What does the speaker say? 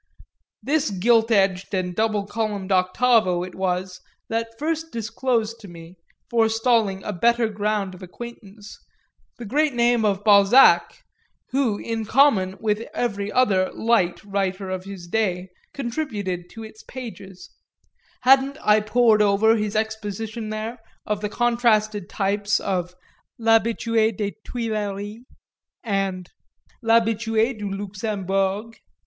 This gilt edged and double columned octavo it was that first disclosed to me, forestalling a better ground of acquaintance, the great name of Balzac, who, in common with every other "light" writer of his day, contributed to its pages: hadn't I pored over his exposition there of the contrasted types of L'Habituée des Tuileries and L'Habituée du Luxembourg?